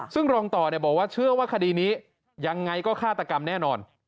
ซึ่งรองต่อบอกว่าเชื่อว่าคดีนี้ยังไงก็ฆาตกรรมแน่นอน